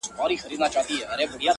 كومه چېغه به كي سره ساړه رګونه-